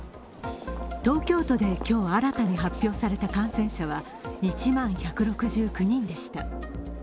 東京都で今日新たに発表された感染者は１万１６９人でした。